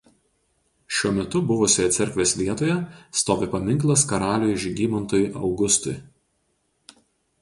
Šiuo metu buvusioje cerkvės vietoje stovi paminklas karaliui Žygimantui Augustui.